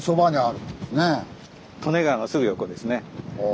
利根川のすぐ横ですね。